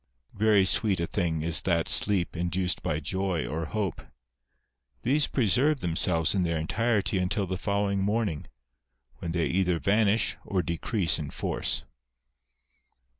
Very sweet a thing is that sleep induced by joy or hope. These preserve ^themselves in their entirety until the following morning, when they either vanish or decrease in force.